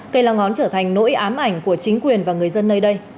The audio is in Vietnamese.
cây lá ngón trở thành nỗi ám ảnh của chính quyền và người dân nơi đây